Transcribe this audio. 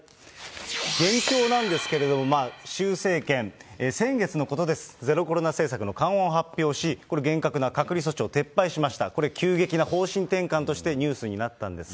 現況なんですけれども、習政権、先月のことです、ゼロコロナ政策の緩和を発表し、これ、厳格な隔離措置を撤廃しました、これ、急激な方針転換としてニュースになったんですが。